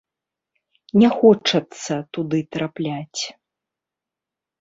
Не хочацца туды трапляць.